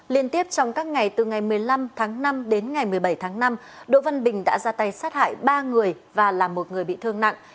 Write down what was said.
liên tiếp trong các ngày từ ngày một mươi năm tháng năm đến ngày một mươi bảy tháng năm đỗ văn bình đã ra tay sát hại ba người và là một người bị thương nặng